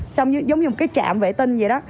xong giống như một cái trạm vệ tinh gì đó